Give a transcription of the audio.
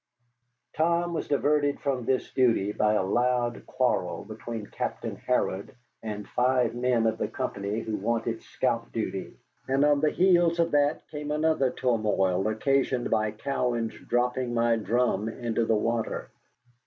Tom was diverted from this duty by a loud quarrel between Captain Harrod and five men of the company who wanted scout duty, and on the heels of that came another turmoil occasioned by Cowan's dropping my drum into the water.